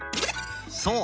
そう！